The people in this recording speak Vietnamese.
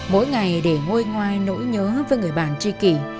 mỗi ngày để ngôi ngoai nỗi nhớ với người bản tri kỷ